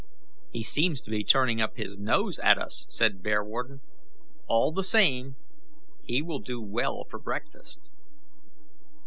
"He seems to be turning up his nose at us," said Bearwarden. "All the same, he will do well for breakfast."